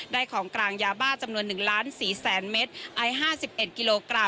ได้ของกลางยาบ้าจำนวน๑๔๐๐๐๐๐เมตรไอ๕๑กิโลกรัม